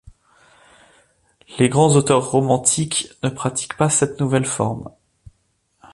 Les grands auteurs romantiques ne pratiquent pas cette nouvelle forme.